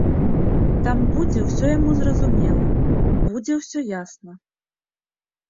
Там будзе ўсё яму зразумела, будзе ўсё ясна.